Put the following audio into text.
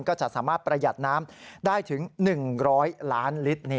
ก็จะสามารถประหยัดน้ำได้ถึง๑๐๐ล้านลิตร